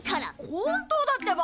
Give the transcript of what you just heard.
本当だってば！